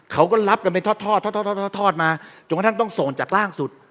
เขาก็รับกันไปทอดมาจนกระทั่งต้องส่งจากร่างสุด